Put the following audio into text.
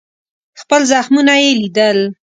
خپل زخمونه یې لیدل.